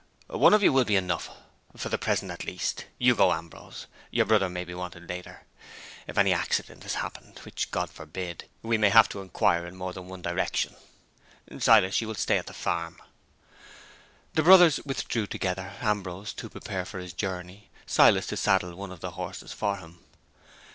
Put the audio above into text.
"One of you will be enough; for the present, at least. Go you, Ambrose. Your brother may be wanted later. If any accident has happened (which God forbid!) we may have to inquire in more than one direction. Silas, you will stay at the farm." The brothers withdrew together; Ambrose to prepare for his journey, Silas to saddle one of the horses for him.